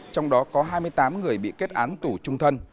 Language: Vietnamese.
trong đó có hai mươi tám người bị kết án tù trung thân